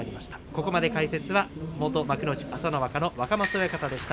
ここまで解説は元朝乃若若松親方でした。